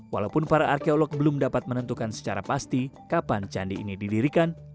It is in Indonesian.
walaupun para arkeolog belum dapat menentukan secara pasti kapan candi ini didirikan